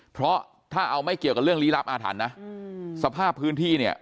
เพราะถ้าเอาไม่เกี่ยวกับเรื่องลี้ลับอาถรรพ์นะสภาพพื้นที่เนี่ย